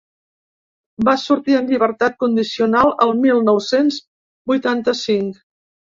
Va sortir en llibertat condicional el mil nou-cents vuitanta-cinc.